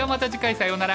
さようなら！